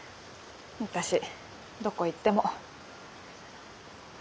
私どこ行っても。